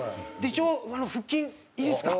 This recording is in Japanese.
一応腹筋いいですか？